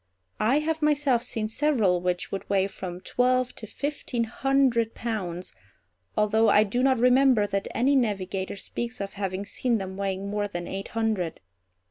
I have myself seen several which would weigh from twelve to fifteen hundred pounds, although I do not remember that any navigator speaks of having seen them weighing more than eight hundred.